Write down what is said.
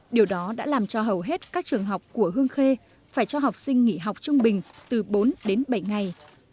điều đó đã làm cho hầu hết các trường học của hương khê phải cho học sinh nghỉ học trung bình từ bốn đến bảy ngày